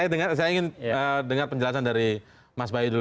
saya ingin dengar penjelasan dari mas bayu dulu